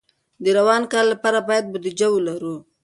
د روان کال لپاره باید بودیجه ولرو.